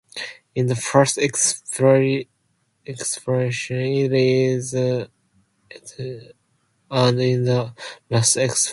In the first example, it is Utnapishtim, and in the last example Noah.